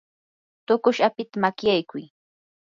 tuqush apita makyaykuy.